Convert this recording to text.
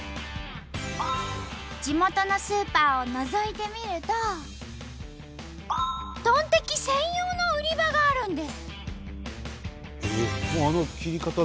地元のスーパーをのぞいてみるとトンテキ専用の売り場があるんです。